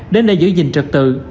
đến để giữ gìn trực tự